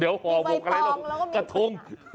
เดี๋ยวห่อมกอะไรกระทง